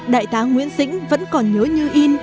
đại tá nguyễn dĩnh vẫn còn nhớ như in